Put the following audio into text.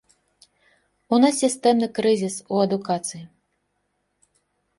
У нас сістэмны крызіс у адукацыі.